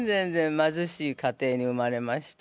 まずしい家庭に生まれました。